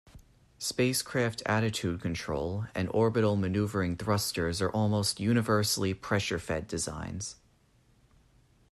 Spacecraft attitude control and orbital maneuvering thrusters are almost universally pressure-fed designs.